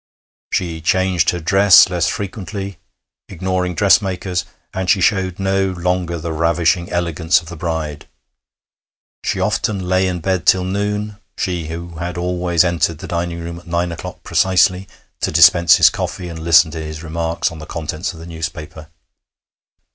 She changed her dress less frequently, ignoring dressmakers, and she showed no longer the ravishing elegance of the bride. She often lay in bed till noon, she who had always entered the dining room at nine o'clock precisely to dispense his coffee and listen to his remarks on the contents of the newspaper.